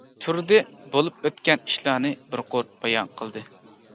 تۇردى بولۇپ ئۆتكەن ئىشلارنى بىر قۇر بايان قىلدى.